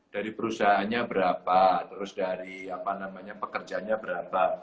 dari perusahaannya berapa terus dari pekerjanya berapa